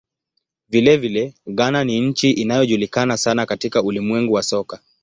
Vilevile, Ghana ni nchi inayojulikana sana katika ulimwengu wa soka.